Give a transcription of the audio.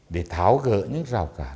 để tháo gỡ những rào cản